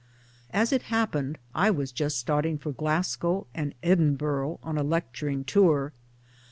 As it happened I was just starting for Glasgow and Edinburgh on a lecturing tour.